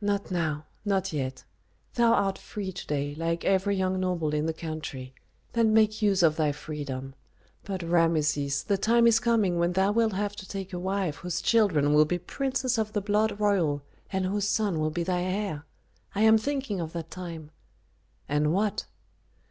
"Not now not yet. Thou art free to day, like every young noble in the country; then make use of thy freedom. But, Rameses, the time is coming when thou wilt have to take a wife whose children will be princes of the blood royal and whose son will be thy heir. I am thinking of that time " "And what?"